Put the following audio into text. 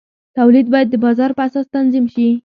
تولید باید د بازار په اساس تنظیم شي.